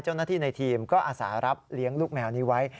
เจ้าหน้าที่ในทีมก็อาสารับเลี้ยงลูกแมวนี้ไว้